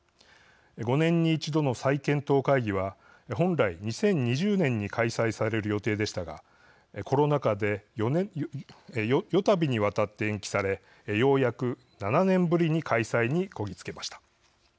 ５年に１度の再検討会議は本来２０２０年に開催される予定でしたがコロナ禍で４度にわたって延期されようやく７年ぶりに開催にこぎつけました。